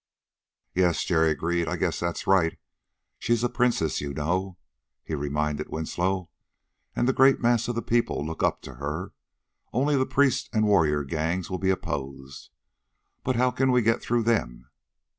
"Yes," Jerry agreed. "I guess that's right. She's a princess, you know," he reminded Winslow, "and the great mass of the people look up to her. Only the priests and warrior gangs will be opposed. But how can we get through them?"